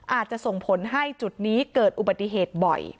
อาจจะส่งผลให้จุดนี้เกิดอุบัติเหตุบ่อย